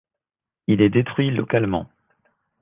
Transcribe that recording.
Il est détruit localement.